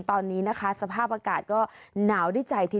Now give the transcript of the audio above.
ตอนนี้สภาพอากาศก็หนาวได้ใจทีเดียว